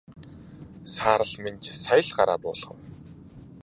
Саарал Минж сая л гараа буулгав.